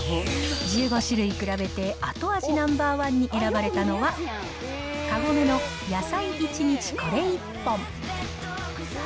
１５種類比べて後味ナンバー１に選ばれたのは、カゴメの野菜一日これ一本。